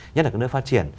nhất là các nước phát triển